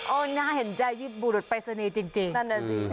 โอ้หน้าเห็นใจยิบบุรุษไปเสนียจริง